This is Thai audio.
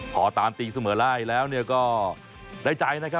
พอตามตีเสมอไล่แล้วก็ได้ใจนะครับ